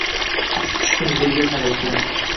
Uchib tushdim yerga falakdan